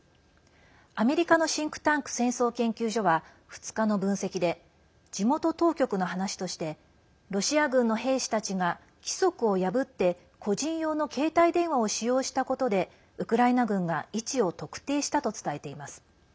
アメリカのシンクタンク戦争研究所は２日の分析で地元当局の話としてロシア軍の兵士たちが規則を破って、個人用の携帯電話を使用したことでウクライナ軍が位置を特定したと伝えています。